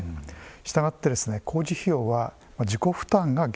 したがって工事費用は自己負担が原則です。